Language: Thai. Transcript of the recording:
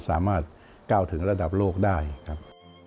สามารถก้าวถึงระดับโลกได้ครับ